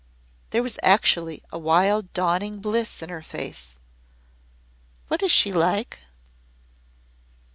There was actually a wild dawning bliss in her face. "What is she like?"